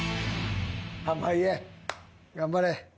濱家頑張れ。